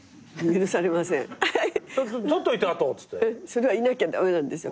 それはいなきゃ駄目なんですよ。